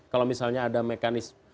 kalau misalnya ada mekanisme